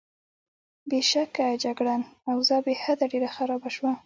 بېشکه، جګړن: اوضاع بېحده ډېره خرابه شوه.